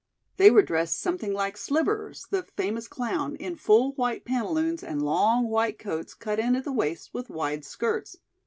They were dressed something like "Slivers," the famous clown, in full white pantaloons and long white coats cut in at the waist with wide skirts.